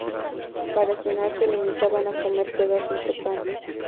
Para cenar, se limitaban a comer pedazos de pan.